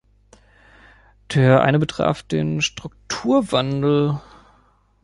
Der eine betraf den Strukturwandel.